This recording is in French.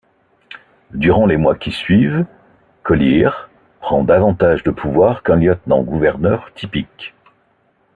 Durant les mois qui suivent, Colyer prend davantage de pouvoirs qu'un lieutenant-gouverneur typique.